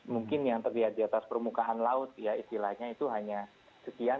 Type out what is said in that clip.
mungkin yang terlihat di atas permukaan laut ya istilahnya itu hanya sekian